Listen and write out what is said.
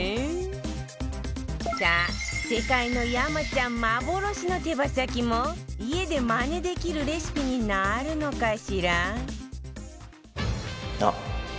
さあ世界の山ちゃん幻の手羽先も家でマネできるレシピになるのかしら？